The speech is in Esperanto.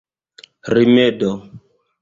rimedo